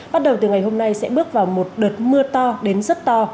bắt đầu từ ngày hôm nay sẽ bước vào một đợt mưa to đến rất to